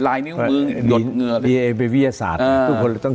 ลายแนนงมือหยดเงลไปวิทยาศาสตร์ทุกคนเลยต้อง